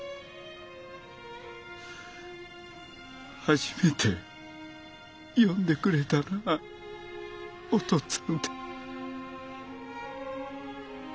初めて呼んでくれたなぁお父っつぁんて。